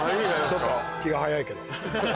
ちょっと気が早いけど。